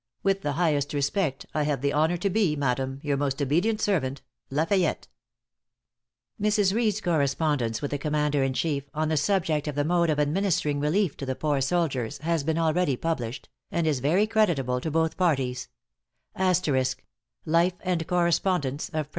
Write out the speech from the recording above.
With the highest respect, I have the honor to be, Madam, your most obedient servant, La Fayette. Mrs. Reed's correspondence with the Commander in chief on the subject of the mode of administering relief to the poor soldiers, has been already published, * and is very creditable to both parties.